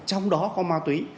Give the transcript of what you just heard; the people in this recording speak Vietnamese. trong đó có ma túy